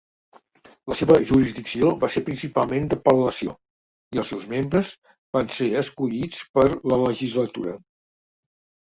La seva jurisdicció va ser principalment d'apel·lació, i els seus membres van ser escollits per la legislatura.